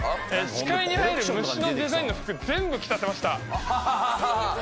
視界に入る虫のデザインの服全部着させました